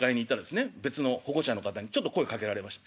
別の保護者の方にちょっと声かけられまして。